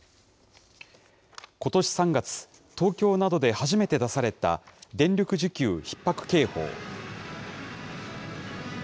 ことし３月、東京などで初めて出された、電力需給ひっ迫警報。